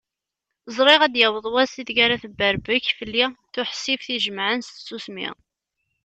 Ẓriɣ ad d-yaweḍ wass i deg ara tebberbek fell-i tuḥsift i jemaɛen s tsusmi.